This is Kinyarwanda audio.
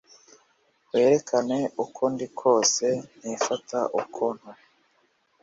Werekane Uko Ndi Kose Ntifata Uko Ntari.